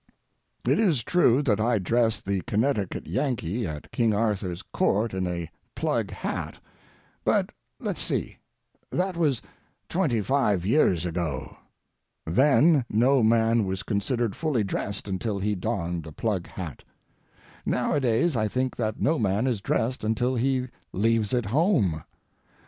It is true that I dressed the Connecticut Yankee at King Arthur's Court in a plug hat, but, let's see, that was twenty five years ago. Then no man was considered fully dressed until he donned a plug hat. Nowadays I think that no man is dressed until he leaves it home.